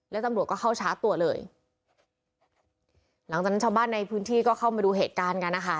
แล้วตำรวจก็เข้าชาร์จตัวเลยหลังจากนั้นชาวบ้านในพื้นที่ก็เข้ามาดูเหตุการณ์กันนะคะ